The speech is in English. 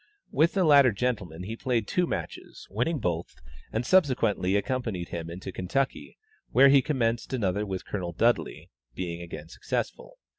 With the latter gentleman he played two matches, winning both, and subsequently accompanied him into Kentucky, where he commenced another with Colonel Dudley, being again successful.